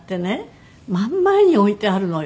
真ん前に置いてあるのよ。